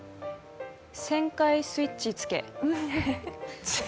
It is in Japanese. １０００回スイッチつけ？